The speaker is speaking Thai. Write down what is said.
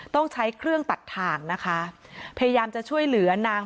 ต้องใช้เครื่องตัดทางนะคะพยายามจะช่วยเหลือนาง